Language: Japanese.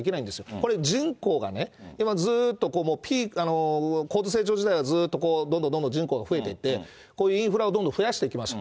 これ、人口がね、ずっとこう、高度成長時代はずっとこう、どんどんどんどん人口が増えていって、こういうインフラを増やしていきました。